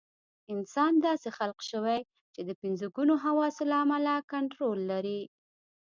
انسان داسې خلق شوی چې د پنځه ګونو حواسو له امله کنټرول لري.